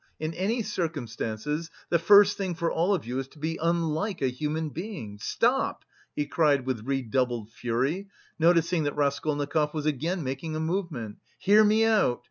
In any circumstances the first thing for all of you is to be unlike a human being! Stop!" he cried with redoubled fury, noticing that Raskolnikov was again making a movement "hear me out!